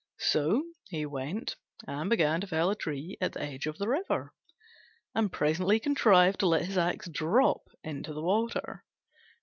So he went and began to fell a tree at the edge of the river, and presently contrived to let his axe drop into the water.